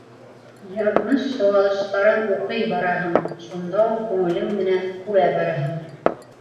Яҙмыш сыуалыштарын уҡый бараһың, шунда уҡ күңелең менән күрә бараһың.